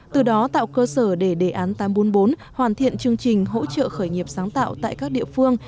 từ đó tạo cơ sở để đề án tám trăm bốn mươi bốn hoàn thiện chương trình hỗ trợ khởi nghiệp sáng tạo tại các địa phương